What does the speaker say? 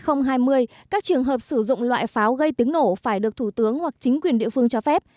theo nghị định một nghìn hai mươi các trường hợp sử dụng loại pháo gây tiếng nổ phải được thủ tướng hoặc chính quyền địa phương cho phép